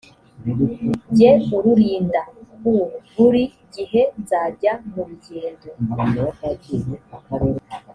jye ururinda u buri gihe nzajya mu rugendo